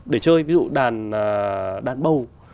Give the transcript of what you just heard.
để chơi ví dụ đàn bầu